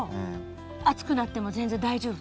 暑くなっても全然大丈夫？